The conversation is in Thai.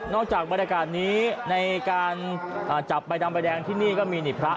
จากบรรยากาศนี้ในการจับใบดำใบแดงที่นี่ก็มีนี่พระ